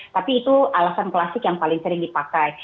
tapi itu alasan klasik yang paling sering dipakai